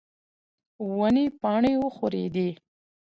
ونې پاڼې وښورېدې.